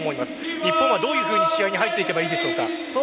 日本はどう試合に入っていけばいいんでしょうか？